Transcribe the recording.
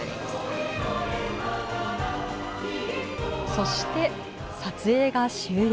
そして、撮影が終了。